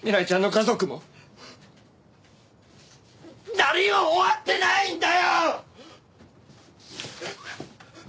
何も終わってないんだよ！